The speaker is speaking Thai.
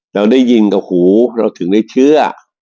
เราได้ยินกับหูเราถึงได้เชื่อ